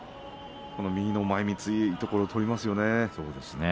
右の前みついいところを取りますよね。